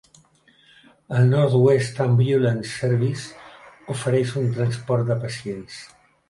El North West Ambulance Service ofereix un transport de pacients.